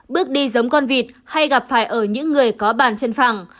bước đi giống con vịt hay gặp phải ở những người có bàn chân phẳng